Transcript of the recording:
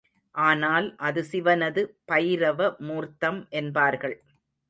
ஆனால் அது சிவனது பைரவ மூர்த்தம் என்பார்கள்.